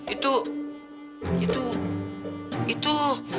itu itu itu